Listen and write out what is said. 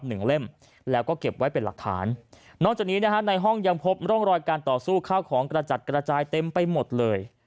เล่มแล้วก็เก็บไว้เป็นหลักฐานนอกจากนี้นะฮะในห้องยังพบร่องรอยการต่อสู้ข้าวของกระจัดกระจายเต็มไปหมดเลย